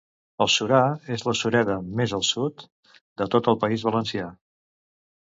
El Surar és la sureda més al sud de tot el País Valencià.